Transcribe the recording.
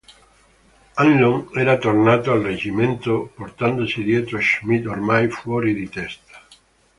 Hanlon era tornato al reggimento portandosi dietro Schmidt ormai fuori di testa.